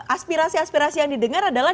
aspirasi aspirasi yang didengar adalah